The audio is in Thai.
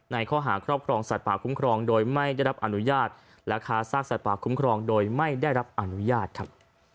ในข้อหาครอบครองสัตว์ป่าคุ้มครองโดยไม่ได้รับอนุญาตและค้าซากสัตว์ป่าคุ้มครองโดยไม่ได้รับอนุญาตครับ